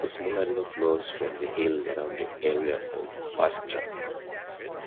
The small river flows from the hills around the area of Pastra.